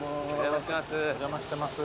お邪魔してます。